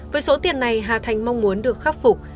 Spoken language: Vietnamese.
với số tiền này hà thành mong muốn được khắc phục